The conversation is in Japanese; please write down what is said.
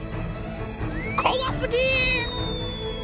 怖すぎ！